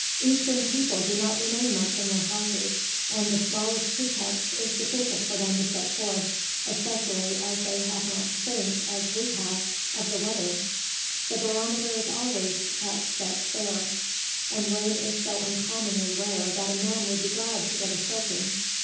Eastern people do not remain much in their houses, and the smallest pretext is sufficient for them to set forth, especially as they have not to think, as we have, of the weather; the barometer is always at set fair, and rain is so uncommonly rare that a man would be glad to get a soaking.